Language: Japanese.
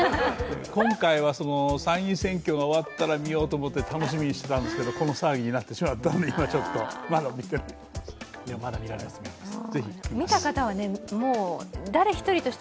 今回は参院選挙が終わったら見ようと思って楽しみにしてたんですけど、この騒ぎになってしまったので今、ちょっとまだ見てないです。